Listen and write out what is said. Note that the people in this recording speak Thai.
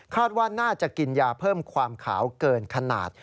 ว่าน่าจะกินยาเพิ่มความขาวเกินขนาด